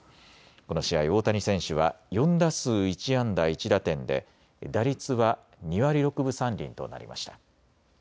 この試合、大谷選手は４打数１安打１打点で打率は２割６分３厘となりました。